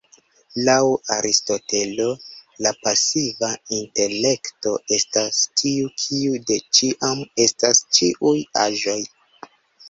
Laŭ Aristotelo, la pasiva intelekto "estas tiu kiu de ĉiam estas ĉiuj aĵoj".